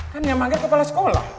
kan yang manggil kepala sekolah